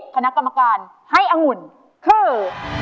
คณะกรรมการให้องุ่นคือ